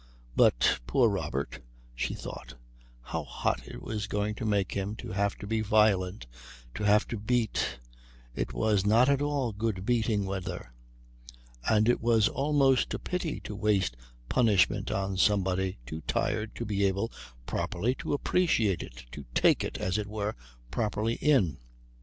But poor Robert, she thought how hot it was going to make him to have to be violent, to have to beat! It was not at all good beating weather.... And it was almost a pity to waste punishment on somebody too tired to be able properly to appreciate it, to take it, as it were, properly in.